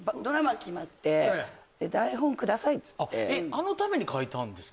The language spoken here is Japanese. あのために書いたんですか？